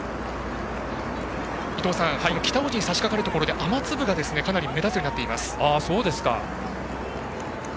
伊藤さん、北大路にさしかかるところで雨粒が目立つようになっています。